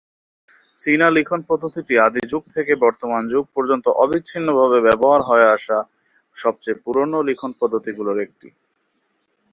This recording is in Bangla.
চীনা লিখন পদ্ধতিটি আদি যুগ থেকে বর্তমান যুগ পর্যন্ত অবিচ্ছিন্নভাবে ব্যবহার হয়ে আসা সবচেয়ে পুরনো লিখন পদ্ধতিগুলির একটি।